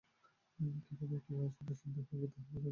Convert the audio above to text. কিভাবে সত্ত্ব শুদ্ধ হইবে, তাহাই বেদান্তের প্রধান আলোচ্য বিষয়।